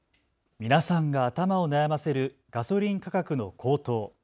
皆さんが頭を悩ませるガソリン価格の高騰。